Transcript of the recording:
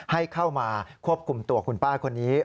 ให้เข้ามาควบคุมตัวคุณป้าคนนี้